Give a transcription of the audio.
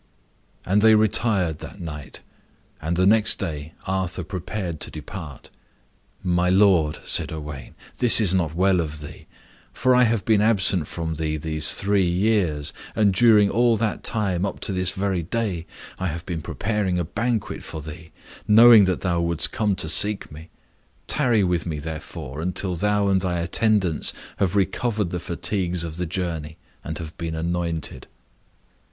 And they retired that night, and the next day Arthur prepared to depart. "My lord," said Owain, "this is not well of thee. For I have been absent from thee these three years, and during all that time, up to this very day, I have been preparing a banquet for thee, knowing that thou wouldst come to seek me. Tarry with me, therefore, until thou and thy attendants have recovered the fatigues of the journey, and have been anointed."